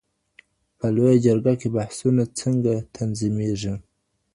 په لویه جرګه کي بحثونه څنګه تنظیمیږي؟